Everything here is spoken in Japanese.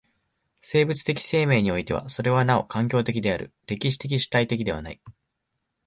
生物的生命においてはそれはなお環境的である、歴史的主体的ではない。